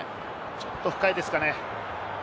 ちょっと深いですかね。